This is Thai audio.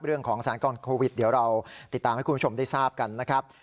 เรื่องของสถานการณ์โควิดเดี๋ยวเราติดตามให้คุณผู้ชมได้ทราบกันนะครับ